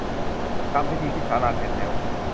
ทำพิธีที่ศาลาเสร็จแล้ว